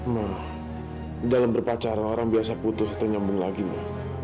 ma dalam berpacaran orang biasa putus dan nyambung lagi ma